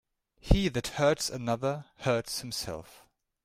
He that hurts another, hurts himself.